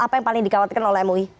apa yang paling dikhawatirkan oleh mui